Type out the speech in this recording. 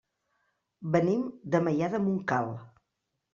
Venim de Maià de Montcal.